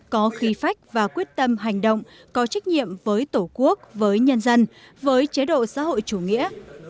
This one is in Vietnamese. có khí phách và quyết tâm hành động có trách nhiệm với tổ quốc với nhân dân với chế độ xã hội chủ nghĩa